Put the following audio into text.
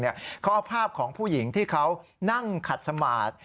ข้อภาพของผู้หญิงที่เขานั่งขัดสมาธิ